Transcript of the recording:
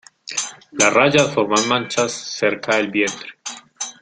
Las rayas forman manchas cerca del vientre.